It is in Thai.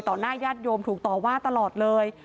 หน้าญาติโยมถูกต่อว่าตลอดเลย